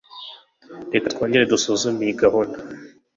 Reka twongere dusuzume iyi gahunda.